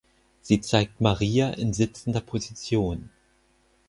Sie zeigt Maria in sitzender Position.